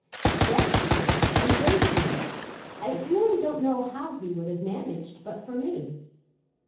"Yes, granny, a great deal. I really don't know how he would have managed but for me."